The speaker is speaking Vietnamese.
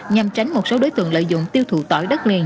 nhằm tránh một số đối tượng lợi dụng tiêu thụ tỏi đất liền